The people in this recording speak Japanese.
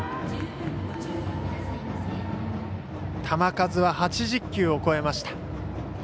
球数は８０球を超えました。